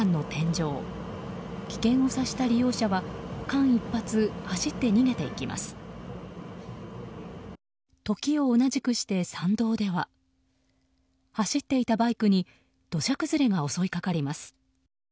時を同じくして、山道では走っていたバイクに土砂崩れが襲いかかります。